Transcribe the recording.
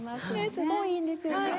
すごいいいんですよね。